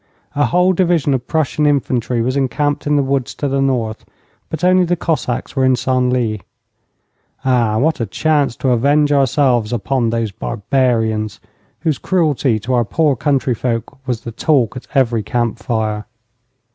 A whole division of Prussion infantry was encamped in the woods to the north, but only the Cossacks were in Senlis. Ah, what a chance to avenge ourselves upon these barbarians, whose cruelty to our poor countryfolk was the talk at every camp fire.